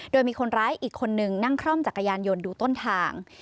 โดยมีคนร้ายอีกคนนึงนั่งคล่อมจักรยานยนต์ดูต้นทาง